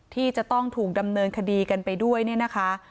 ที่จะต้องถูกดำเนินคดีกันไปด้วยเนี่ยนะคะ